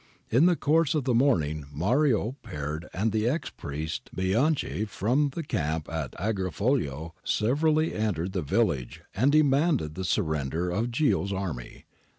In the course of the morning Mario, Peard, and the ex priest Bianchi from the camp at Agrifoglio, severally entered the village and demanded the surrender of Ghio's army.